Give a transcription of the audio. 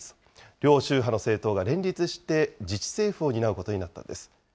両宗派の政党が連立して自治政府を担うことになったんです。